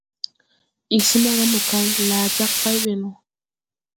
Ig smaga mokay, laa jag pay ɓɛ no.